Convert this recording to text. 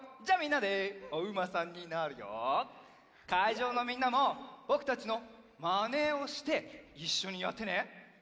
じゃあみんなでおうまさんになるよ。かいじょうのみんなもぼくたちのまねをしていっしょにやってね。